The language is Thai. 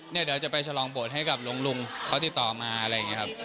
เดี๋ยวจะไปฉลองบทให้กับลุงเขาติดต่อมาอะไรอย่างนี้ครับ